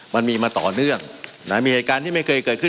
มันมีมาต่อเนื่องนะมีเหตุการณ์ที่ไม่เคยเกิดขึ้น